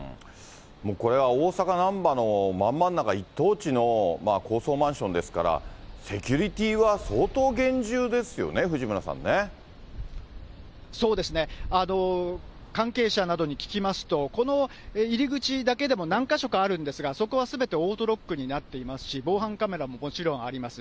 もうこれは大阪・難波のまん真ん中、一等地の高層マンションですから、セキュリティーは相当厳重ですよね、そうですね、関係者などに聞きますと、この入り口だけでも何か所かあるんですが、そこはすべてオートロックになっていますし、防犯カメラももちろんあります。